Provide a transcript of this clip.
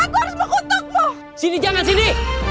kamu telah membohongiku selama ini